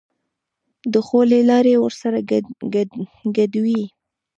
د خولې لاړې ورسره ګډوي.